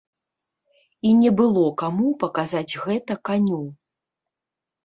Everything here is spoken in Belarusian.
І не было каму паказаць гэта каню.